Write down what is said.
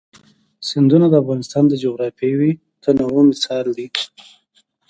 سیندونه د افغانستان د جغرافیوي تنوع مثال دی.